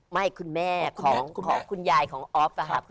ไม่คุณแม่ของคุณแม่ของคุณยายของออฟนะครับ